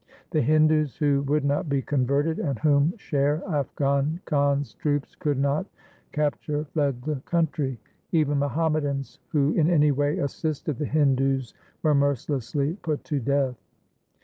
The Hindus who would not be converted and whom Sher Afghan Khan's troops could not capture fled the country. Even Muhammadans who in any way assisted the Hindus were mercilessly put to death.